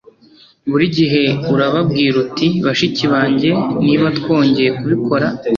Buri gihe urababwira uti Bashiki banjye niba twongeye kubikora